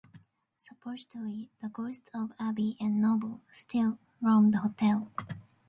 Supposedly the ghosts of Abby and Noble still roam the hotel.